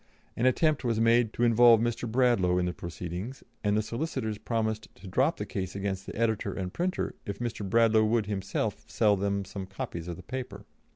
An attempt was made to involve Mr. Bradlaugh in the proceedings, and the solicitors promised to drop the case against the editor and printer if Mr. Bradlaugh would himself sell them some copies of the paper.